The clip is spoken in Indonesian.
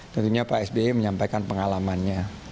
tentunya pak sby menyampaikan pengalamannya